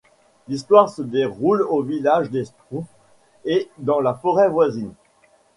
L'histoire se déroule au village des Schtroumpfs et dans la forêt voisine.